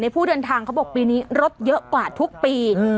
ผู้เดินทางเขาบอกปีนี้รถเยอะกว่าทุกปี